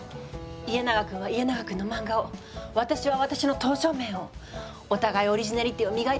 家長くんは家長くんのマンガを私は私の刀削麺をお互いオリジナリティーを磨いて稼ごう！